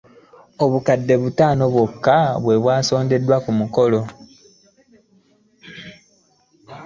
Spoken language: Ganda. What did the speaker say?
Obukadde butaano bwokka bwe bwasondeddwa ku mukolo.